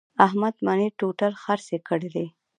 احمد مڼې ټوټل خرڅې کړلې.